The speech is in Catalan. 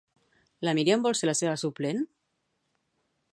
La Miriam vol ser la seva suplent?